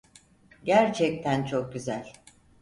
Gerçekten çok güzel.